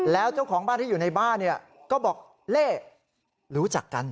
แล้วเจ้าของบ้านที่อยู่ในบ้านก็บอกเล่รู้จักกัน